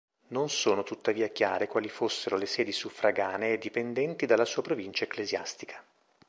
Non sono tuttavia chiare quali fossero le sedi suffraganee dipendenti dalla sua provincia ecclesiastica.